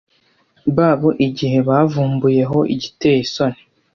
babo igihe ba bavumbuyeho igiteye isoni